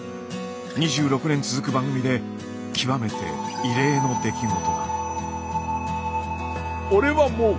２６年続く番組で極めて異例の出来事だ。